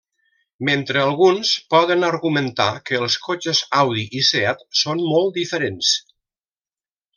Mentre alguns poden argumentar que els cotxes Audi i Seat són molt diferents.